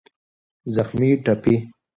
زخمي √ ټپي